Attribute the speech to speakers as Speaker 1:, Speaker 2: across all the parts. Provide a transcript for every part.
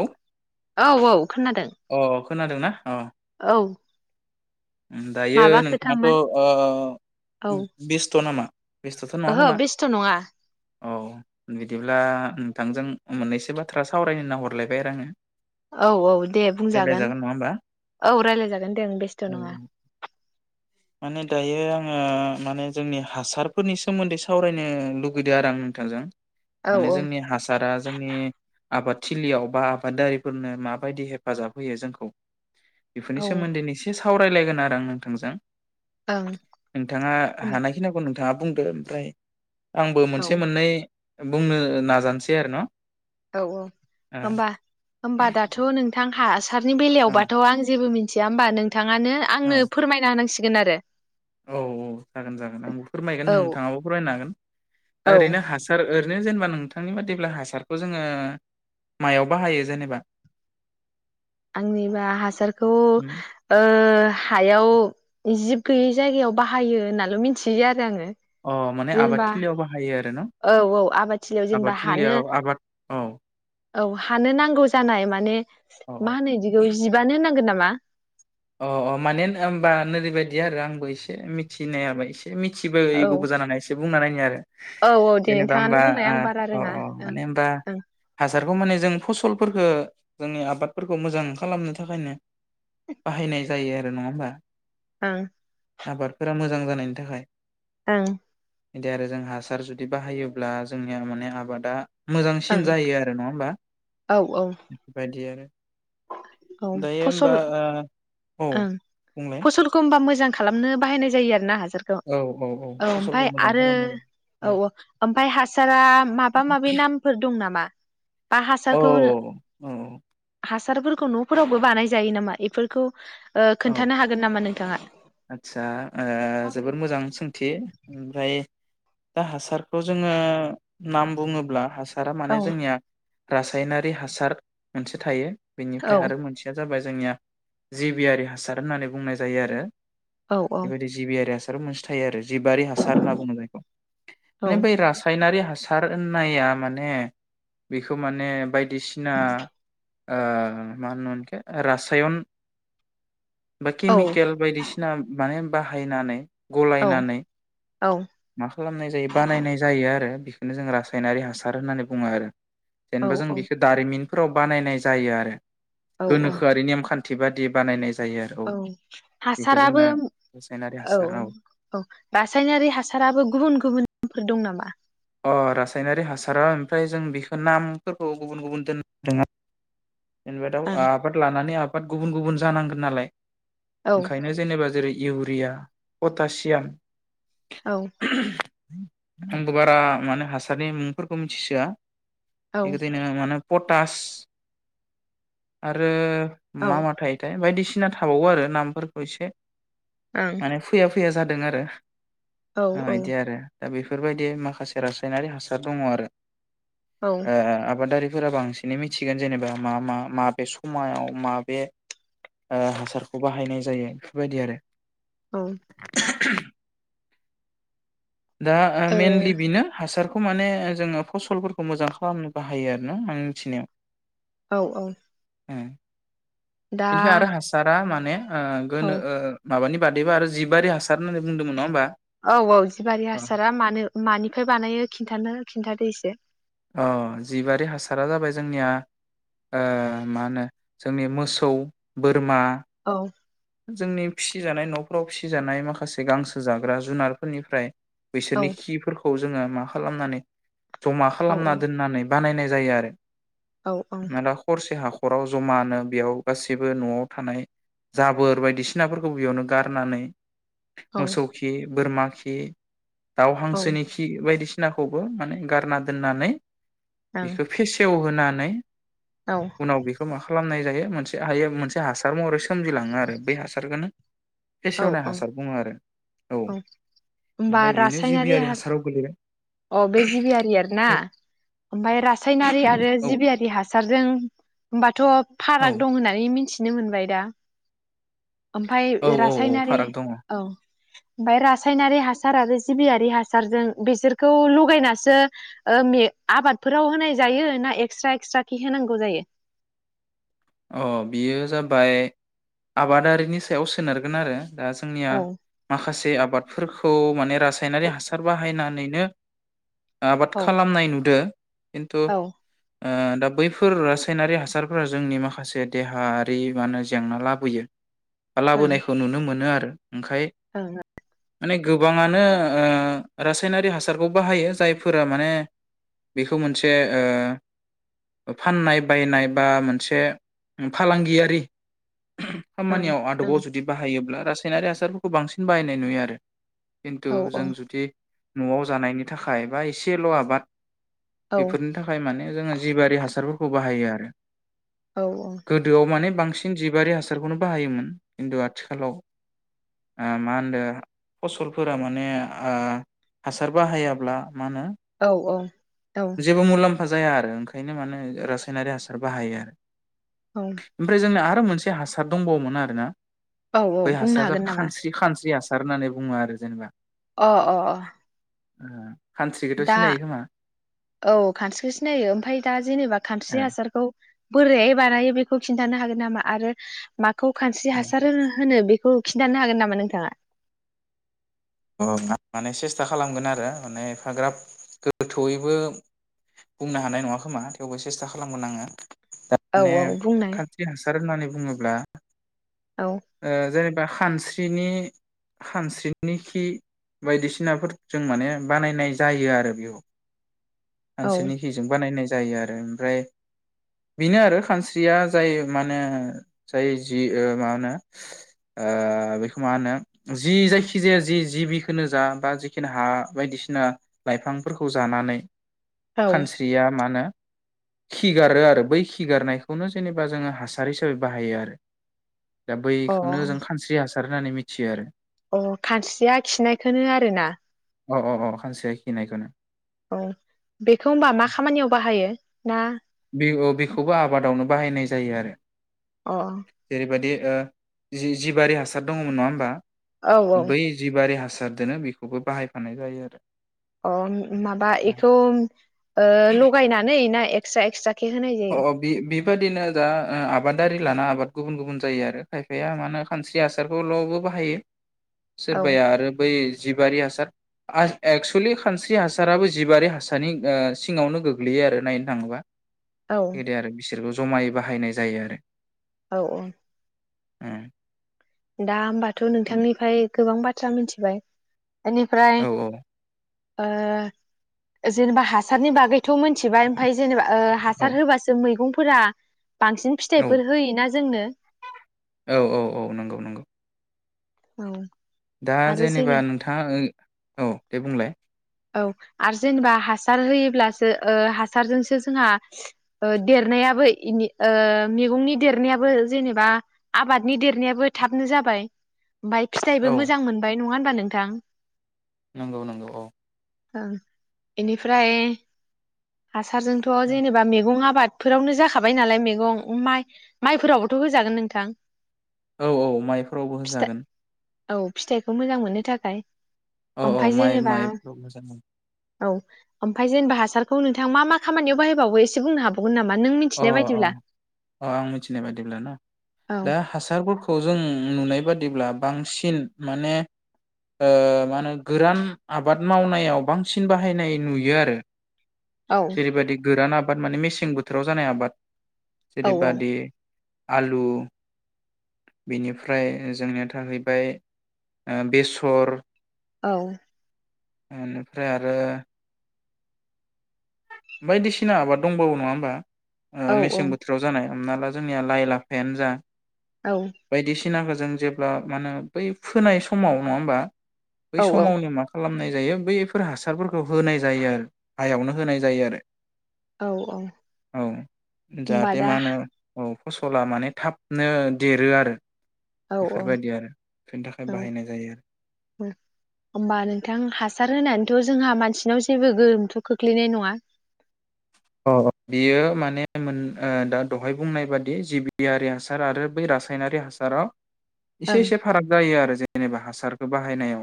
Speaker 1: अ
Speaker 2: औ औ खोनादों।
Speaker 1: खोनादों ना? अ'।
Speaker 2: औ
Speaker 1: दायो
Speaker 2: माबा
Speaker 1: नोंथाङाथ'
Speaker 2: खोथामोन
Speaker 1: ओ
Speaker 2: औ
Speaker 1: बेस्थ' नामा? बेस्थ'थ' नङा
Speaker 2: ओहो
Speaker 1: खोमा
Speaker 2: बेस्थ' नङा।
Speaker 1: औ बिदिब्ला नोंथांजों मोननैसो बाथ्रा सावरायनो होनना हरलायबाय आरो आङो।
Speaker 2: औ औ दे बुंजागोन
Speaker 1: रायज्लायजागोन नङा होमबा
Speaker 2: औ रायलायजागोन दे बेस्थ' नङा
Speaker 1: औ माने दायो आङो माने जोंनि हासारफोरनि सोमोन्दै सावरायनो लुगैदो आरो आं नोंथांजों।
Speaker 2: औ
Speaker 1: माने
Speaker 2: औ
Speaker 1: जोंनि हासारा जोंनि आबादथिलियाव बा आबादारिफोरनो माबायदि हेफाजाब होयो जोंखौ? बेफोरनि
Speaker 2: औ ओं
Speaker 1: सोमोन्दैनो इसे सावरायलायगोन आरो आं नोंथांजों।
Speaker 2: औ
Speaker 1: नोंथाङा हानायखि नोंथाङा बुंद ओफ्राय आंबो मोनसे मोननै बुंनो नाजानसै आरो न
Speaker 2: औ औ होमबा होमबा दाथ' नोंथां हासै हाबनि
Speaker 1: औ
Speaker 2: बेलायावबाथ' आं जेबो मिन थिया होमबा नों नोंथाङानो आंनो फोरमायना हानांसिगोन सिगोन आरो
Speaker 1: औ औ जागोन जागोन आंबो फोरमायगोन
Speaker 2: औ
Speaker 1: नों थाङाबो फोरमायनो हागोन
Speaker 2: औ
Speaker 1: दा ओरैनो हासार ओरैनो जेनेबा नोंथांनि बादिब्ला हासारखौ जोंङो मायाव बाहायो जेनेबा?
Speaker 2: आंनिबा हासारखौ ओ हायाव जिब गैयै जायगायाव बाहायो होननाल' मिथियो आरो आंङो
Speaker 1: अ माने आबादथिलियाव बाहायो आरो न
Speaker 2: औ औ आबाद थलियाव जेनेबा हानो
Speaker 1: आबादथिलियाव आबाद औ
Speaker 2: औ हानो नांगौ जानाय माने
Speaker 1: औ
Speaker 2: मा होनो बिदिखौ जिबानो होनांगोन नामा मा
Speaker 1: अ अ माने होनोमबा नओरैबायाददि आरो आंबो एसे मिथिनायाबा एसे मिथिबो
Speaker 2: औ
Speaker 1: गुबबो जानानै बुंना नायो आरो
Speaker 2: औ औ दे
Speaker 1: जेनेबा
Speaker 2: नोंथाङानो
Speaker 1: होमबा
Speaker 2: बुंनाया आं बारा रोङा ओं ओं
Speaker 1: बेखौ माने जों फसलफोरखौ जोंनि आबादफोरखौ मोजां खालामनो थाखायनो बाहायनाय जायो आरो नङा होमबा।
Speaker 2: ओं
Speaker 1: आबादफोरा मोजां जानायनि थाखाय
Speaker 2: ओं
Speaker 1: बिदि आरो जों हासार जुदि बाहायोब्ला जोंनिया माने आबादा
Speaker 2: ओं
Speaker 1: मोजांसिन
Speaker 2: ओं
Speaker 1: जायो आरो नङा होमबा
Speaker 2: औ औ
Speaker 1: बेफोरबायदि आरो
Speaker 2: औ
Speaker 1: दायो
Speaker 2: फसल
Speaker 1: ओमबा
Speaker 2: ओं फसलखौ होबा मोजां खालामनो बाहायनाय जायो आरो ना हा हासारखौ
Speaker 1: औ
Speaker 2: औ
Speaker 1: फसलखौ
Speaker 2: ओमफ्राय
Speaker 1: मोजां
Speaker 2: आरो
Speaker 1: खालामनांगौ
Speaker 2: औ औ ओमफाय हासारा माबा माबि नामफोर दं नामा? बा
Speaker 1: औ
Speaker 2: हासारखौनो
Speaker 1: औ
Speaker 2: हास हासारफोरखौ न'फोरावबो बानाय जायो नामा इफोरखौ? ओ
Speaker 1: औ
Speaker 2: खोन्थानो हागोन नामा नोंथाङा?
Speaker 1: आदसा ओ जोबोर मोजां सोंथि ओमफ्राय दा हासारखौ जोङो नाम बुङोब्ला हासार सारा
Speaker 2: औ
Speaker 1: माने जोंनिया। रासायनारि हासार मोनसे थायो।
Speaker 2: औ
Speaker 1: बेनिफ्राय आरो मोनसेया जाबाय जोंनिया जिबियारि हासार होननानै बुंनाय जायो आरो।
Speaker 2: औ
Speaker 1: एबायदि जिबि आरि हा आरो मोनसे थायो आरो। जिबारि हासार होनना बुङो जायखौ
Speaker 2: औ
Speaker 1: माने बै रासायनारि हा सार होननाया माने बेखौ माने बाय बायदिसिना ओ मा होनोमोन बेखौ रासायन बा
Speaker 2: औ
Speaker 1: केमिकेल बायदिसि माने बाहायनानै।
Speaker 2: औ
Speaker 1: गलायनानै
Speaker 2: औ
Speaker 1: मा खालामनाय जायो बानायनाय जायो आरो। बेखोनो जों रासायनारि हासार होननानै बुङो आरो।
Speaker 2: औ
Speaker 1: जेनेबा जों
Speaker 2: औ
Speaker 1: बेखौ दारिमिन फोराव बानायनाय जायो आरो।
Speaker 2: औ औ
Speaker 1: गोनोखोआरि नेमखान्थि खान्थि बादियै बानायनाय जायो आरो
Speaker 2: औ हासार
Speaker 1: बेखौ
Speaker 2: हासाराबो
Speaker 1: जोङो रासायनारि हासार
Speaker 2: औ औ रासायनारि हासाराबो गुबुन गुबुनफोर दं नामा?
Speaker 1: अ रासायनारि हासारा ओमफ्राय जों बेखौ नामफोरखौ गुबुन गुबुन दोननोदों इन दाव आबाद लानानै आबाद बाट गुबुन गुबुन जानांगोन नालाय
Speaker 2: ओं
Speaker 1: ओंखायनो जेनेबा जेरै इउरिया पटासियाम
Speaker 2: औ।
Speaker 1: आंबो बारा माने हासारनि मुंफोरखौ मिथिसोआ।
Speaker 2: औ
Speaker 1: बेगोदैनो मानो। पटास। आरो
Speaker 2: औ
Speaker 1: मा मा थायोथाय? बायदिसिना। थिना थाबावो आरो नामफोरखौ एसे।
Speaker 2: ओं
Speaker 1: माने फुया। उफया जादों आरो।
Speaker 2: औ
Speaker 1: अ यदि आरो। दा बेफोरबायदि माखासे रासायनारि हासार दङ आरो।
Speaker 2: औ
Speaker 1: ओ आबादारि। फोरा बांसिन मिथिगोन जेनेबा। मा मा माबे समायाव माबे ओ हासारखौ बाहायनाय जायो? बेफोरबायदि आरो।
Speaker 2: औ।
Speaker 1: [unintelligible] दा मइेनलि बेनो हासारखौ। खौ माने जोङो फसलफोरखौ मोजां खालामनो बाहायो आरो ना आं मिथिनायाव।
Speaker 2: औ -औ-।
Speaker 1: उ।
Speaker 2: दा
Speaker 1: बेनिफ्राय आरो हासारा माने। ओ
Speaker 2: औ
Speaker 1: गोनो ओ माबानि। बादैबा आरो जिबारि हासार होननानै बुंदोंमोन नङा होमबा?
Speaker 2: औ -औ -जिबारि हासारा मानो मानिफ्राय बानायो खिन्थानो खिथ सिन्थादो यसे।
Speaker 1: अ जिबारि हासारा जाबाय जोंनिया ओ मा होनो? जोंनि मोसौ बोर। बोरमा
Speaker 2: औ
Speaker 1: जोंनि। फिसिजानाय न'फोराव फिसिजानाय माखासे गांसो जाग्रा जुनारफोरनिफ्राय।
Speaker 2: औ
Speaker 1: बिसोरनि खिफोरखौ। जोङो माखालामनानै जम
Speaker 2: औ
Speaker 1: खालामना दोननानै बानायनाय। जायो आरो।
Speaker 2: औ औ
Speaker 1: मला खरसे हाख नखराव जमानो बेयाव गासैबो न'आव थानाय जाबोर बायदिसिनाफोरखौ बेयावनो गारनानै।
Speaker 2: औ
Speaker 1: मोसौखि बोरमा। से। दाउ
Speaker 2: ओं
Speaker 1: हांसोनि खि बायदिसि नाखौबो माने गारना दोननानै बेखौ फेसेवहोना नै
Speaker 2: औ
Speaker 1: उनाव बेखौ मा खालामनाय जायो मोनसे हायो मोनसे हासार महरै सोमजिलाङो आरो बै हासारखोनो
Speaker 2: औ
Speaker 1: फेसेवनाय हासार बुङो आरो।
Speaker 2: औ होमबा
Speaker 1: ओमफ्राय बेनो
Speaker 2: रासायनारि
Speaker 1: जिबियारि
Speaker 2: हा,
Speaker 1: हासाराव गोलैबाय
Speaker 2: अ बे जिबियारियारि ओमफाय रासायनारि आरो
Speaker 1: औ
Speaker 2: जिबियारि हासारजों [unintelligible] थ'
Speaker 1: औ
Speaker 2: फाराग दं होननानै मिथि नो मोनबाय दा। ओमफाय
Speaker 1: औ औ औ
Speaker 2: रासायनारि
Speaker 1: फाराग दङ
Speaker 2: औ। ओमफाय रासायनारि हासार आरो जिबियारि हासारजों बिसोरखौ लगायनासो ओ मे आबादफोराव होनाय जायो ना एक्सट्रा एक्सट्रा खे होनांगौ जायो?
Speaker 1: अ बियो जाबाय आबादारिनि सायाव सोनारगोन आरो। दा जोंनिया
Speaker 2: औ
Speaker 1: माखासे आ बादफोरखौ माने रा सायनारि हासार बाहायनानै नो आबाद
Speaker 2: औ
Speaker 1: खालामनाय नुदो। खिन्थु
Speaker 2: औ
Speaker 1: ओ दा बैफोर रासायनारि हासारफोरा जोंनि मा खासे देहाआरि मा ओनो जेंना लाबोयो। लाबोनायखौ नुनो मोनो आरो । ओंखाय माने गोबाङानो ओ रासायनारि हासारखौ बाहायो, जायफोरा माने बेखौ मोनसे ओ फाननाय बायनाय बा मोनसे उम फालांगियारि खामानियाव आदबाव जुदि बाहायोब्ला रासायनारि हासारफोरखौ बांसिन बाहायनाय नुयो आरो। खिन्थु जों जुदि न'आव जानायनि थाखाय बा एसेल' आबाद
Speaker 2: ओं
Speaker 1: बेफोरनि थाखाय माने जोङो जिबारि हासार खौ बाहायो आरो।
Speaker 2: ओं औ
Speaker 1: गोदोआव माने बांसिन जिबारि हासारखौनो बाहायोमोन खिन्थु आथिखालाव ओ मा होनदों फसलफोरा माने ओ हासार बाहायाब्ला मा होनो
Speaker 2: औ
Speaker 1: जेबो मुलाम्फ फा जाया आरो ओंखायनो माने रासायनारि हासार बाहायो आरो
Speaker 2: औ
Speaker 1: ओमफ्राय जोंना आ रो मोनसे हासार दंबावोमोन आरोना
Speaker 2: औ औ
Speaker 1: बै
Speaker 2: बुंनो
Speaker 1: हासार
Speaker 2: हागोन
Speaker 1: जाब
Speaker 2: नामा
Speaker 1: खानस्रि खानस्रि हास सार होननानै बुङो आरो जेनेबा।
Speaker 2: अ अ अ
Speaker 1: उम
Speaker 2: दा औ खानस्रिखौ सिनायो ओमफ्राय दा जेनेबा खानस्रि हासारखौ बोरैहाय बानायो बेखौ खिन्थानो हागोन नामा आरो खौ खानस्रि
Speaker 1: ओ
Speaker 2: हासार होन होनो बे खौ खिन्थानो हागोन नामा नोंथाङा?
Speaker 1: अ मा-माने सेस्था खालामगोन आरो माने एफाग्राब गोथौयैबो बुंनो हानाय नङा खोमा थेवबो सेस्था खालामगोन आङो। [unintelligible]
Speaker 2: औ
Speaker 1: ने
Speaker 2: औ बुंनाय
Speaker 1: खान्स्रि हासार होननानै बुङोब्ला
Speaker 2: औ
Speaker 1: ओ जेने बा खानस्रिनि खानस्रिनि खि बायदिसिनाफोर जों माने बानायनाय जायो आरो बेयाव।
Speaker 2: औ
Speaker 1: हांसोनिखिजों बानायनाय जायो आरो ओमफ्राय बेनो आरो खानस्रिया जाय मा होनो जाय जि ओ मा होनो ओ बेखौ मा होनो जि जायखि जाया जि जिबिखो जा बा जिखिनि हा बायदिसिना लाइफांफोरखौ जानानै खानस्रिया मा होनो खिगारो आरो बै खिगारनायखौनो जेनेबा जोङो हासार हिसाबै बाहायो आरो दा
Speaker 2: औ
Speaker 1: बैखौनो जों खानस्रि हास सार होननानै मिथियो आरो
Speaker 2: अ खानस्रिया खिनायखौनो आरोना
Speaker 1: अ अ अ सानस्रिया खिनायखौनो।
Speaker 2: औ बेखौ होनबा मा खामानियाव बाहायो? ना
Speaker 1: बे अ बेखौबो आबादावनो बाहायनाय जायो आरो
Speaker 2: अ
Speaker 1: जेरै बादि ओ जि जिबारि हासार दङमोन। नङा होमबा?
Speaker 2: औ
Speaker 1: बै जिबारि हास दोनो बेखौबो बाहायफानाय जायो आरो।
Speaker 2: अ माबा
Speaker 1: अ
Speaker 2: इखौ ओ लगायनानै ना? एकस्रा एकस्रा
Speaker 1: अ बि बे बेबायदिनो ओ दा आबादारि लाना आबाद गुबुन गुबुन जायो आरो खायफाया मानो होन खानस्रि हासारखौल'बो बाहायो।
Speaker 2: औ
Speaker 1: सोरबाया आरो बै जिबआारि हासार आ-एक्सुुलि खानस्रि हासाराबो जिबआारि हासारनि ओ सिङावनो गोग्लैयो आरो नायनो थाङोब्ला।
Speaker 2: औ
Speaker 1: एदे आरो बिसोरखौ जमायै बाहायनाय जायो आरो।
Speaker 2: औ औ
Speaker 1: उम
Speaker 2: दा होमबाथ' नोंथांनिफाय गोबां बाथ्रा मिथिबाय। बेनिफ्राय
Speaker 1: ओ
Speaker 2: ओ जेनेबा हासारनि बागैथ' मिथिबाय ओमफ्राय जेनेबा ओ
Speaker 1: औ
Speaker 2: हासार होबासो मैगं फोरा बांसिन
Speaker 1: औ
Speaker 2: फिथाइफोर होयोना? जोंनो
Speaker 1: औ औ औ नंगौ नंगौ।
Speaker 2: औ
Speaker 1: दा
Speaker 2: आरो
Speaker 1: जेनेबा
Speaker 2: जेने
Speaker 1: नोंथाङा ओ औ दे बुंलाय
Speaker 2: औ आरो जेनेबा हासार होयोब्लासो ओ हासारजोंसो जोंहा ओ देरनायाबो ओ मैगंनि देरनायाबो जेनेबा आबादनि देरनायाबो थाबनो जाबाय। ओमफ्राय फिथाइबो
Speaker 1: औ
Speaker 2: मोजां मोनबाय। नङा होनबा नोंथां?
Speaker 1: नंगौ नंगौ औ।
Speaker 2: ओं इनिफ्राय हासारजोंथ' जेनेबा मेगं आबाद फोरावनो जाखाबाय नालाय मैगं माइ-माइफोरावबोथ' होजागोन नोंथां?
Speaker 1: औ औ माइफोरावबो
Speaker 2: फिथाइ
Speaker 1: होजागोन।
Speaker 2: औ फिथाइखौ मोजां मोननो थाखाय।
Speaker 1: औ औ
Speaker 2: ओमफाय
Speaker 1: माइ
Speaker 2: जेनेबा
Speaker 1: [inaudible]
Speaker 2: औ ओमफ्राय जेनेबा हासारखौ नोंथां मा मा खामानियाव बाहायबावो एसे बुंनो हाबा
Speaker 1: अ अ अ आं मिथिनाय बादिब्ला ना
Speaker 2: औ
Speaker 1: दा हासारफोरखौ जों नुनाय बा बादिब्ला बांसिन माने मा होनो गोरान आबाद मावनायाव बांसिन बाहायनाय नुयो आरो
Speaker 2: औ
Speaker 1: । जेरैबायदि गोरान आ माने मेसें बो थोराव जानाय आबाद ।
Speaker 2: औ
Speaker 1: जेरैबादि आलु बेनिफ्राय जोंनिया थाहैबाय बेसर ।
Speaker 2: औ ।
Speaker 1: बेनिफ्राय आरो । बायदिसिना आबाद दंबावो नङा होमबा?
Speaker 2: औ
Speaker 1: मेसें बोथोराव जानाय । हमना ला जोंनिया लाइ लाफायानो जा
Speaker 2: औ ।
Speaker 1: सिनाखौ जों जेब्ला मा होनो बै फोनाय समाव नङा होमबा? बै
Speaker 2: औ
Speaker 1: समावनो मा खालामनाय बैफोर हासार फोरखौ होनाय जायो आरो हायावनो होनाय जायो आरो
Speaker 2: औ औ
Speaker 1: । औ
Speaker 2: होमबा
Speaker 1: जाहाथे
Speaker 2: दा
Speaker 1: मा होनो औ । फसला माने थाबनो देरो आरो ।
Speaker 2: औ औ औ
Speaker 1: बाहायनाय जायो
Speaker 2: होमबा नोंथां हासार होनानैथ' जोंहा मानसिनाव जेबो गोहोमथ' खोख्लैनाय नङा?
Speaker 1: अ बियो माने मोन दा दहाय बुंनाय बादि जिबियारि हासार आरो बै रासायनारि हासाराव इसे
Speaker 2: ओं
Speaker 1: एसे फाराग जायो आरो जेनेबा हासा हासारखौ बाहायनायाव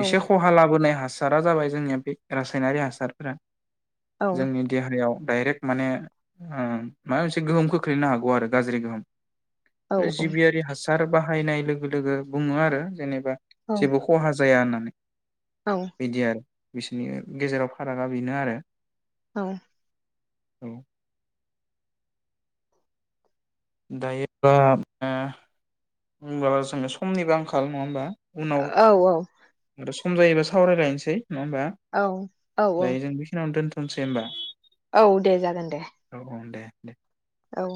Speaker 2: औ
Speaker 1: एसे खहा लाबोनाय हा हासारा जाबाय जोंनिया बे रासायनारि हासारफोरा ।
Speaker 2: औ ।
Speaker 1: डायरेक्ट माने माबा मोनसे गोहोम खोख्लैनो हागौ आरो गाज्रि गोहोम
Speaker 2: औ
Speaker 1: । जिबियारि हासार बा बाहायनाय लोगो लोगो बुङो आरो जेनेबा
Speaker 2: औ
Speaker 1: जेबो खहा जाया होनना ।
Speaker 2: औ
Speaker 1: [inaudible] बिदि आरो । बिसोरनि गेजेराव फारागा बेनो आरो ।
Speaker 2: [inaudible]
Speaker 1: औ । दायो होनबा जोङो समनिबो आंखाल नङा होमबा? उनाव
Speaker 2: औ औ।
Speaker 1: सम जायोबा सावरायलायनोसै नङा होमबा
Speaker 2: औ औ
Speaker 1: दायो जों बेखिनियावनो दोन थनोसै होनोमबा।
Speaker 2: औ दे जागोन दे।
Speaker 1: दे।
Speaker 2: औ।